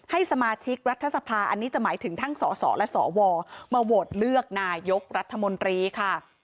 ให้สมาชิกรัฐสภาอันนี้จะหมายถึงทั้งสสและสวมาโหวตเลือกนายกรัฐมนตรีค่ะ